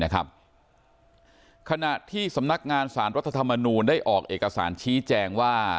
ขณะที่สำนักงานสารรัฐธรรมนูลได้ออกเอกสารชี้แจงว่า